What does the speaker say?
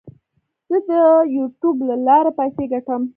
زه د یوټیوب له لارې پیسې ګټم.